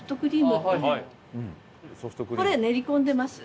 これ練り込んでます。